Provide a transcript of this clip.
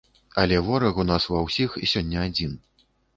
Але вораг у нас ва ўсіх сёння адзін.